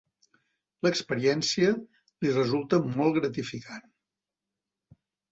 L'experiència li resulta molt gratificant.